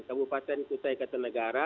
kabupaten kusaka tenggara